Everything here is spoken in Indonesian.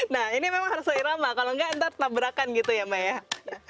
nah ini memang harus air lama kalau enggak nanti tabrakan gitu ya mbak